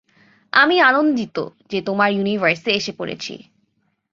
আমি আনন্দিত যে তোমার ইউনিভার্সে এসে পড়েছি।